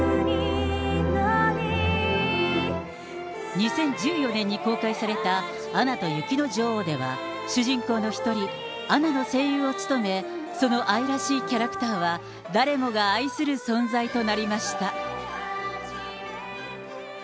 ２０１４年に公開されたアナと雪の女王では、主人公の一人、アナの声優を務め、その愛らしいキャラクターは誰もが愛する存在となりました。